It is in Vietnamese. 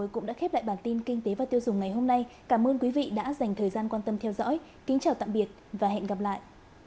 cảm ơn các bạn đã theo dõi và hẹn gặp lại